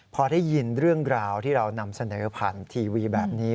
พอได้ยินเรื่องราวที่เรานำเสนอผ่านทีวีแบบนี้